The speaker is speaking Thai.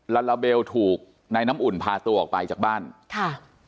ลาลาเบลถูกในน้ำอุ่นพาตัวออกไปจากบ้านค่ะ